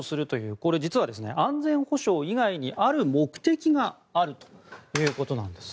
これ、実は安全保障以外にある目的があるということなんです。